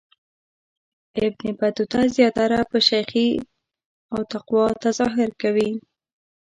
ابن بطوطه زیاتره په شیخی او تقوا تظاهر کوي.